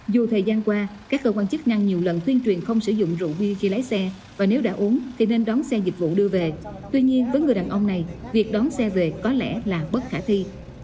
dù thời gian qua các cơ quan chức năng nhiều lần tuyên truyền không sử dụng rượu bia khi lái xe và nếu đã uống thì nên đón xe dịch vụ đưa về tuy nhiên với người đàn ông này việc đón xe về có lẽ là bất khả thi